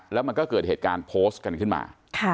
แล้วมันก็เกิดเหตุการณ์โพสต์กันขึ้นมา